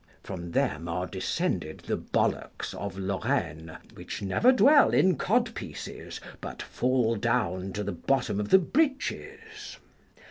From them are descended the ballocks of Lorraine, which never dwell in codpieces, but fall down to the bottom of the breeches.